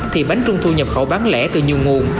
thì bánh trung thu nhập khẩu bán lẻ từ nhiều nguồn